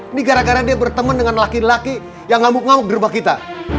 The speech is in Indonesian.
ini gara gara dia berteman dengan laki laki yang ngamuk ngamuk di rumah kita